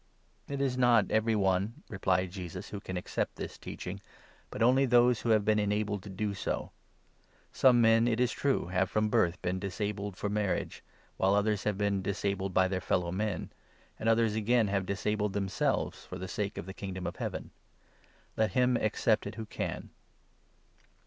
" It is not every one, "replied Jesus, "who can accept this n teaching, but only those who have been enabled to do so. Some men, it is true, have from birth been disabled for 12 marriage, while others have been disabled by their fellow men, and others again have disabled themselves for the sake of the Kingdom of Heaven. Let him accept it who can."